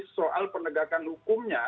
soal penegakan hukumnya